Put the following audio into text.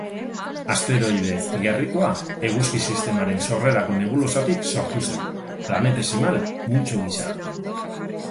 Asteroide gerrikoa Eguzki-sistemaren sorrerako nebulosatik sortu zen, planetesimal multzo gisa.